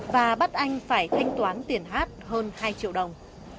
và bắt anh phải thanh toán tiền hát hơn hai triệu đồng